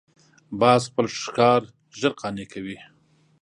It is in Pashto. باز خپل ښکار ژر قانع کوي